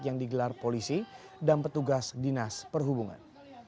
yang digelar polisi dan petugas dinas perhubungan